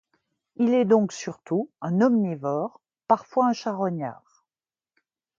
Il est donc surtout un omnivore, parfois un charognard.